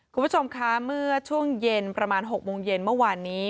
คุณผู้ชมคะเมื่อช่วงเย็นประมาณ๖โมงเย็นเมื่อวานนี้